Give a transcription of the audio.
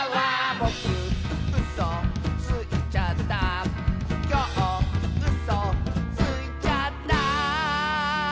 「ぼくうそついちゃった」「きょううそついちゃった」